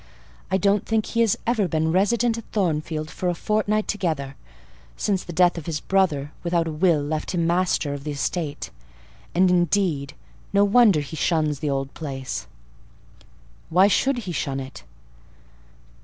I don't think he has ever been resident at Thornfield for a fortnight together, since the death of his brother without a will left him master of the estate; and, indeed, no wonder he shuns the old place." "Why should he shun it?"